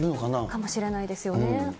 かもしれないですよね。